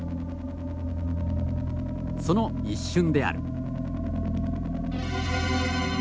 その一瞬である。